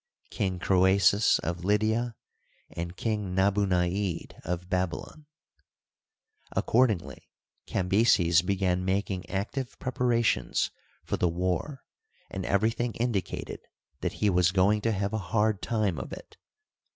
King Croesus of Lydia and King Nabunaid of Babylon. Accordingly, Cambyses began making active prepara tions for the war, and everything indicated that he was going to have a hard time of it.